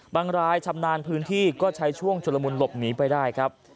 รายชำนาญพื้นที่ก็ใช้ช่วงชุลมุนหลบหนีไปได้ครับ